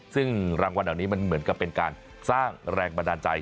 ซึ่งรางวัลเหมือนกับเป็นการสร้างแรงบันดาลใจ